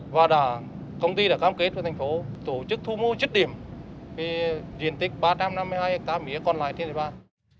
và công ty đã cam kết cho thành phố tổ chức thu mua chất điểm diện tích ba trăm năm mươi hai cá mía còn lại trên địa bàn